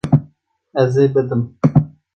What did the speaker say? Ez ê bidim.